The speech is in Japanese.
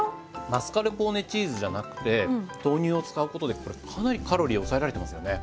マスカルポーネチーズじゃなくて豆乳を使うことでこれかなりカロリー抑えられてますよね。